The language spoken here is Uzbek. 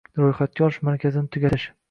Ro‘yxatga olish markazini tugatish